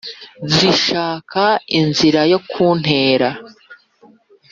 zishaka inzira yo kuntera